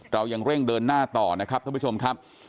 เรายังเร่งเดินหน้าต่อนะครับท่านผู้ชมครับ